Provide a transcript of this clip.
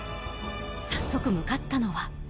早速向かったのは。